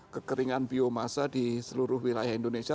kekeringan biomasa di seluruh wilayah indonesia